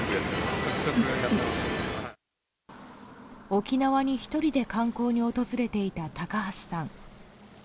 沖縄に１人で観光に訪れていた高橋さん。